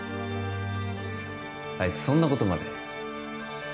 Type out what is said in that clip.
あいつそんなことまで？